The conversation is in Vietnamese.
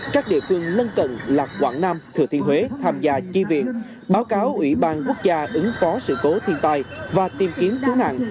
các địa phương lân cận là quảng nam thừa thiên huế tham gia chi viện báo cáo ủy ban quốc gia ứng phó sự cố thiên tai và tìm kiếm cứu nạn